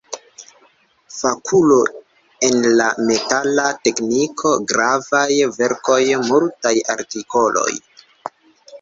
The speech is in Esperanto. Fakulo en la metala tekniko; gravaj verkoj, multaj artikoloj.